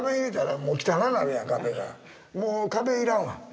もう壁要らんわ。